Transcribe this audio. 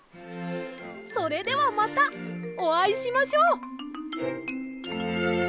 それではまたおあいしましょう！